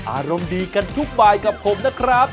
อารมณ์ดีกันทุกบายกับผมนะครับ